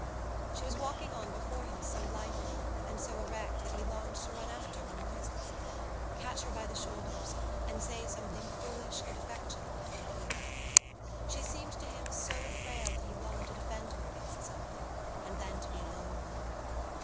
She was walking on before him so lightly and so erect that he longed to run after her noiselessly, catch her by the shoulders and say something foolish and affectionate into her ear. She seemed to him so frail that he longed to defend her against something and then to be alone with her.